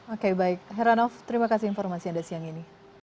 oke baik heranov terima kasih informasi anda siang ini